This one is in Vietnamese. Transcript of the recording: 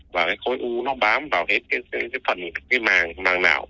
và cái khối u nó bám vào cái phần cái màng màng nào